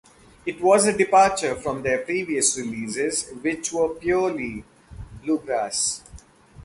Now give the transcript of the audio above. It was a departure from their previous releases which were purely bluegrass.